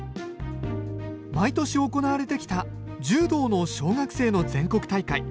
毎年行われてきた柔道の小学生の全国大会。